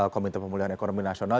komite pemulihan ekonomi nasional